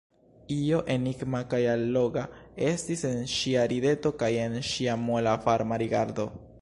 Io enigma kaj alloga estis en ŝia rideto kaj en ŝia mola varma rigardo.